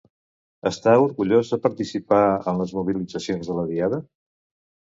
Està orgullós de participar en les mobilitzacions de la diada?